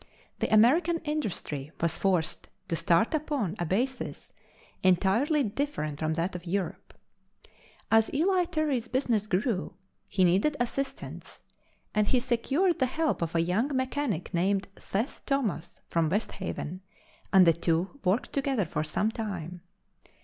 The American industry was forced to start upon a basis entirely different from that of Europe. As Eli Terry's business grew, he needed assistance, and he secured the help of a young mechanic named Seth Thomas from West Haven, and the two worked together for some time.